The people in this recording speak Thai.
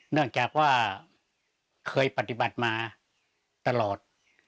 เนื่องจากว่าเคยปฏิบัติมาตลอด